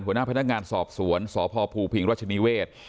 หัวหน้าพนักงานสอบสวนสพภูพิงรัชนิเวศ